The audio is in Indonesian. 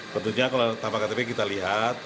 tentunya kalau tanpa ktp kita lihat